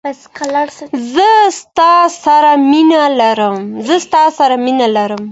زه تاسره مینه لرم